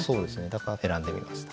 だから選んでみました。